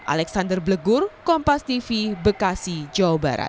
alexander blegur kompas tv bekasi jawa barat